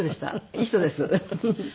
いい人です。